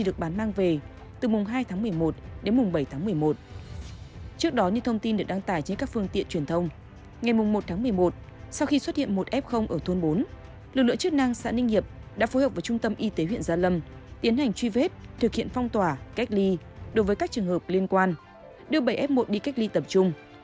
lực lượng chức năng xã ninh hiệp đã phối hợp với trung tâm y tế huyện gia lâm tiến hành truy vết thực hiện phong tỏa cách ly đối với các trường hợp liên quan đưa bảy f một đi cách ly tập trung